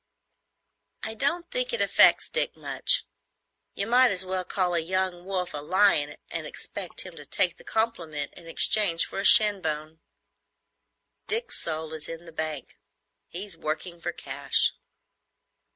"I don't think it affects Dick much. You might as well call a young wolf a lion and expect him to take the compliment in exchange for a shin bone. Dick's soul is in the bank. He's working for cash."